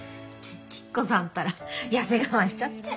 吉子さんったら痩せ我慢しちゃって。